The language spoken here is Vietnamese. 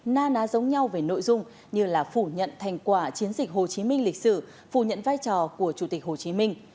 na ná giống nhau về nội dung như là phủ nhận thành quả chiến dịch hồ chí minh lịch sử phủ nhận vai trò của chủ tịch hồ chí minh